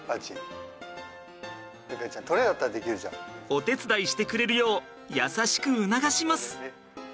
お手伝いしてくれるよう優しく促します。